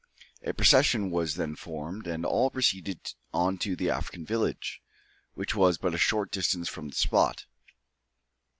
A procession was then formed, and all proceeded on to the African village, which was but a short distance from the spot.